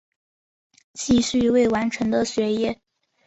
继续未完成的学业